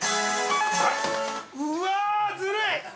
◆うわあ、ずるい。